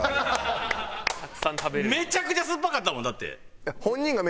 めちゃくちゃ酸っぱかったもんだって。